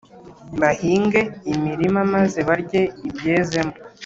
bahinge imirima maze barye ibyezemo,